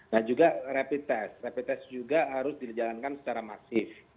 nah juga rapid test rapid test juga harus dijalankan secara masif